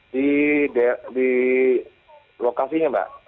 di lokasinya pak